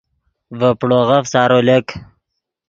ڤے پڑوغف سارو لک